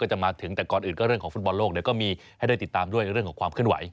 จะมาถึงแต่ก่อนอื่นก็เรื่องของฟุตบอลโลกเดี๋ยวก็มีให้ได้ติดตามด้วยเรื่องของความเคลื่อนไหว